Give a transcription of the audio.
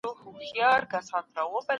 دورکهايم د ځان وژنې ډولونه وړاندې کړل.